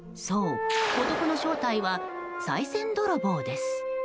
そう、男の正体はさい銭泥棒です。